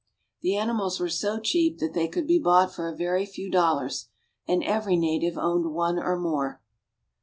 The animals were so cheap that they could be bought for a very few dollars, and every native owned one or more.